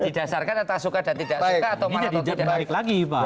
didasarkan atas suka dan tidak suka atau malah atau tidak suka